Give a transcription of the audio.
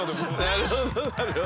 なるほどなるほど。